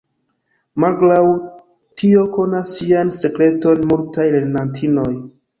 Malgraŭ tio konas ŝian sekreton multaj lernantinoj.